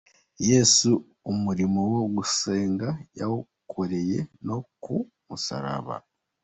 Yesu umurimo wo gusenga yawukoreye no ku musaraba.